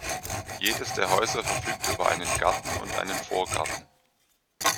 Jedes der Häuser verfügt über einen Garten und einen Vorgarten.